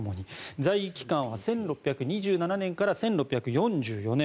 在位期間は１６２７年から１６４４年。